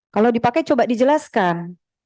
kalau dipakai coba dijelaskan